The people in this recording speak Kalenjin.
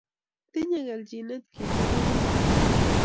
tinyei kelchinet kinde bolutik